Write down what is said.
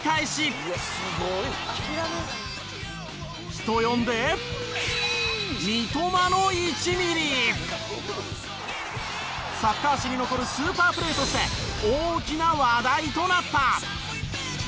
人呼んでサッカー史に残るスーパープレーとして大きな話題となった。